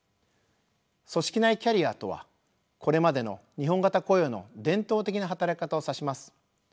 組織内キャリアとはこれまでの日本型雇用の伝統的な働き方を指します。